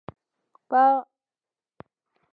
کوپریانو د بیرل جوړولو کاروبار کاوه.